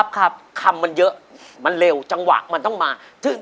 คำมันเยอะมันเร็วจังหวะมันต้องมาถึง